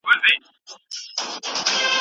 ته په زولنو کي د زندان حماسه ولیکه